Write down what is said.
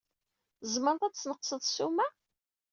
Tzemred ad d-tesneqsed ssuma?